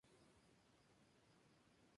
Hamlet ganó en el segundo lugar.